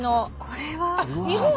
これは。